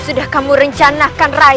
sudah kamu rencanakan rai